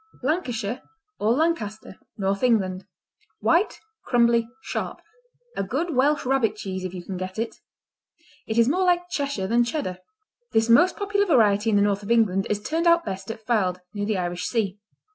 Lancashire, or Lancaster North England White; crumbly; sharp; a good Welsh Rabbit cheese if you can get it. It is more like Cheshire than Cheddar. This most popular variety in the north of England is turned out best at Fylde, near the Irish Sea.